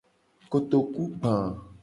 Kotokugba.